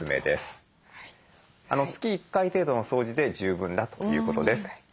月１回程度の掃除で十分だということです。